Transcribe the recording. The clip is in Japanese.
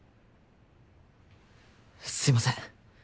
すいません。